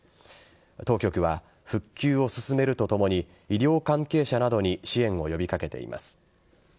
当局は復旧を進めるとともに医療関係者などに支援を呼び掛けています。